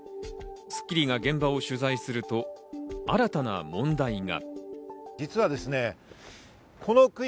『スッキリ』が現場を取材すると新たな問題が。